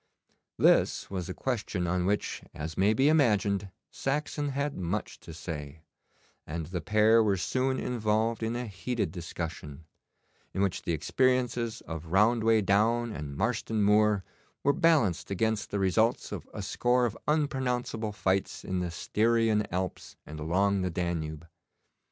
This was a question on which, as may be imagined, Saxon had much to say, and the pair were soon involved in a heated discussion, in which the experiences of Roundway Down and Marston Moor were balanced against the results of a score of unpronounceable fights in the Styrian Alps and along the Danube.